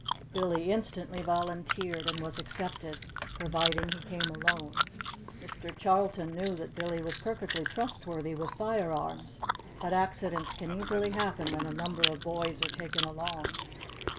Billy instantly volunteered and was accepted, providing he came alone. Mr. Charlton knew that Billy was perfectly trustworthy with firearms, but accidents can easily happen when a number of boys are taken along.